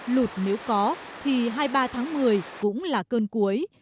lụt nếu có thì hai mươi ba tháng một mươi cũng là cơn cuối